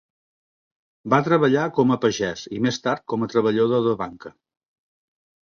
Va treballar com a pagès i més tard com a treballador de banca.